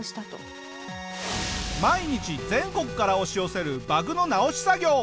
毎日全国から押し寄せるバグの直し作業。